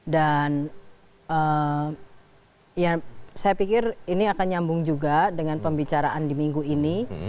dan saya pikir ini akan nyambung juga dengan pembicaraan di minggu ini